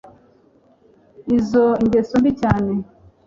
Izo ingeso mbi cyane.